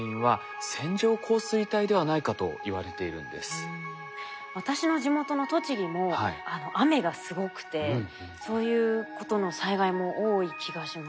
実は私の地元の栃木も雨がすごくてそういうことの災害も多い気がします。